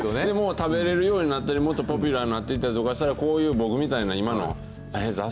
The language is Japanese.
でも食べれるようになったり、もっとポピュラーになっていったりとかしたら、こういう僕みたいな今のえ？